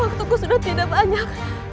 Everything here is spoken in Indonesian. waktuku sudah tidak banyak